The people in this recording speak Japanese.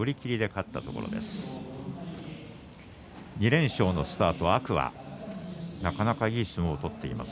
２連勝のスタートの天空海いい相撲を取っています